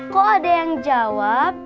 kok ada yang jawab